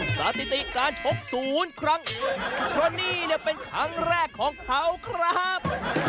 สถิติการชกศูนย์ครั้งเพราะนี่เนี่ยเป็นครั้งแรกของเขาครับ